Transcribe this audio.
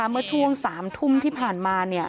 เมื่อช่วง๓ทุ่มที่ผ่านมา